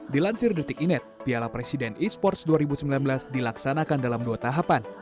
dilansir detik inet piala presiden esports dua ribu sembilan belas dilaksanakan dalam dua tahapan